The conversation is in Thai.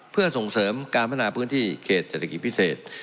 เพื่อส่งเสริมการพัฒนาพื้นที่เขตเศรษฐกิจพิเศษ